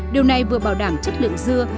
điều này vừa bảo đảm chất lượng dưa